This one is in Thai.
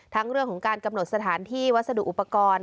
เรื่องของการกำหนดสถานที่วัสดุอุปกรณ์